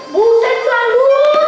buset lah lu